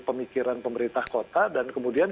pemikiran pemerintah kota dan kemudian